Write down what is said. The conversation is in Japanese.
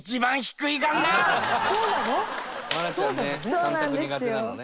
３択苦手なのね。